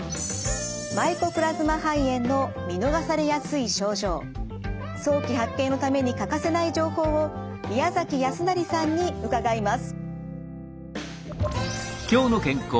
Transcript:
マイコプラズマ肺炎の見逃されやすい症状早期発見のために欠かせない情報を宮崎泰成さんに伺います。